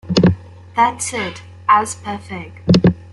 That is, as per Fig.